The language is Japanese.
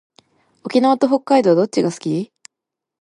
沖縄と北海道どっちが好き？